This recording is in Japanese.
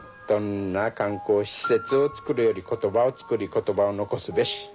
どんな観光施設を造るより言葉を作り言葉を残すべし。